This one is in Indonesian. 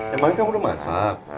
emangnya kamu udah masak